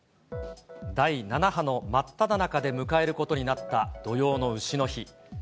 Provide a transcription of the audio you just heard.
第７波の真っただ中で迎えることになった土用のうしの日。